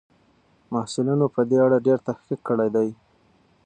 محصلینو په دې اړه ډېر تحقیق کړی دی.